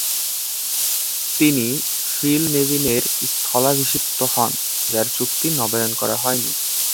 তিনি ফিল নেভিনের স্থলাভিষিক্ত হন, যার চুক্তি নবায়ন করা হয়নি।